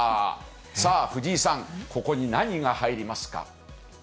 さあ藤井さん、ここに何が入りますか？